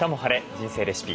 人生レシピ」。